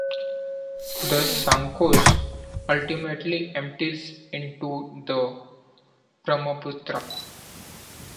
The Sankosh ultimately empties into the Brahmaputra.